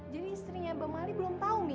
jadi istrinya bang mali belum tau nih